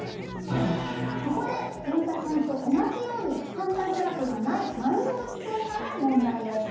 ここで銀座線と同じようにパンタグラフがない丸ノ内線から問題です。